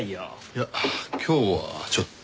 いや今日はちょっと。